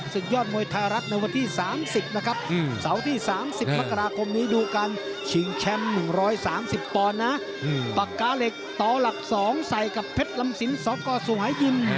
ปากกาเหล็กต่อหลัก๒ใส่กับเพชรลำสินสกสวายยินด์